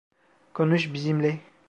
Konuş bizimle.